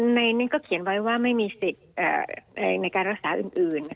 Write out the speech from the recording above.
ในนี้ก็เขียนไว้ว่าไม่มีสิทธิ์ในการรักษาอื่น